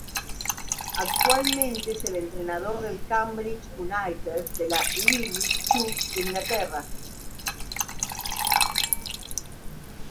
Actualmente es el entrenador del Cambridge United de la League Two de Inglaterra.